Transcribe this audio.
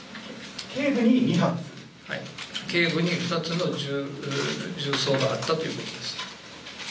頸部に２つの銃創があったということです。